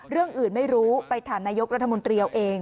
เรื่องอื่นไม่รู้ไปถามนายกรัฐมนตรีเอาเอง